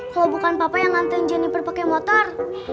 kalau bukan papa yang nganterin jeniper pakai motor